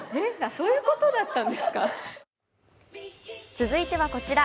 続いてはこちら。